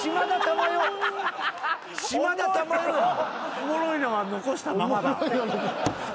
おもろいのは残したままだ。